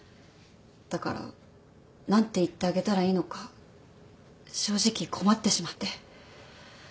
だから何て言ってあげたらいいのか正直困ってしまって。